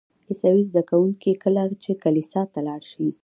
عیسوي زده کوونکي کله چې کلیسا ته لاړ شي.